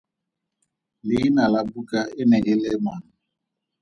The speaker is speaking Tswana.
Leina la buka e ne e le mang?